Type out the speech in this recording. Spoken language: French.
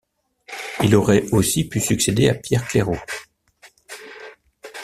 Il aurait aussi pu succéder à Pierre Cléreau.